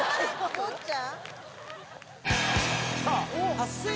よっちゃん。